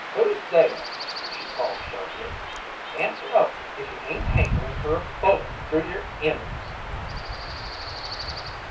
"Who's there?" she called sharply. "Answer up if you ain't hankerin' fer a bullet through yer innards!"